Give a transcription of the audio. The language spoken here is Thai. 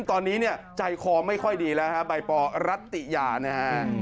ตอนนี้เนี่ยใจคอไม่ค่อยดีแล้วฮะใบปอรัตติยานะฮะ